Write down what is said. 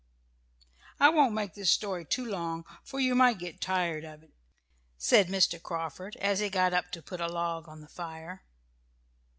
"I won't make this story too long, for you might get tired of it," said Mr. Carford, as he got up to put a log on the fire.